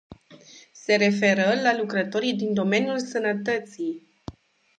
Se referă la lucrătorii din domeniul sănătății.